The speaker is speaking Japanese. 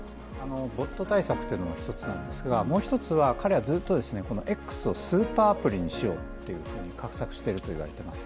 ｂｏｔ対策というのが１つなんですがもう１つは、彼はずっとこのＸをスーパーアプリにしようと画策しているといわれています。